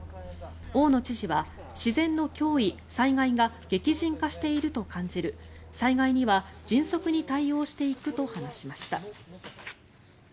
大野知事は、自然の脅威、災害が激甚化していると感じる災害には迅速に対応していくと話しました。